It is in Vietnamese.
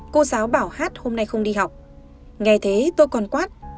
cô giáo bảo hát hôm nay không đi học nghe thế tôi còn quát